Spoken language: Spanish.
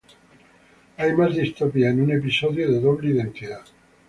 Hay más distopía en un episodio de "Doble Identidad"".